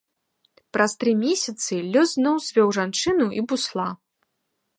Праз тры месяцы лёс зноў звёў жанчыну і бусла.